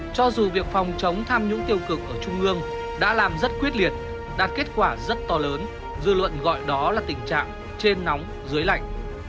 cho dù việc phòng chống tham nhũng tiêu cực ở trung ương đã làm rất quyết liệt đạt kết quả rất to lớn dư luận gọi đó là tình trạng trên nóng dưới lạnh